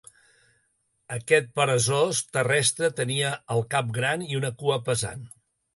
Aquest peresós terrestre tenia el cap gran i una cua pesant.